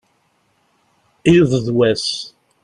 iḍ d wass